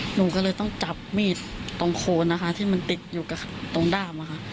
หนูก็เลยต้องจับมีดตรงโคนนะคะที่มันติดอยู่กับตรงด้ามค่ะ